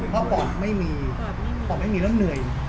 เพราะปอดไม่มีปอดไม่มีแล้วเหนื่อย